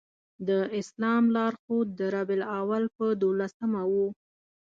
د اسلام لار ښود د ربیع الاول په دولسمه و.